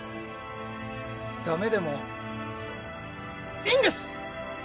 ダメでもいいんです！